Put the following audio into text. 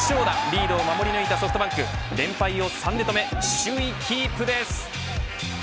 リードを守りぬいたソフトバンク連敗を３で止め首位キープです。